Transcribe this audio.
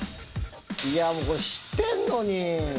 いやー、もう知ってんのに。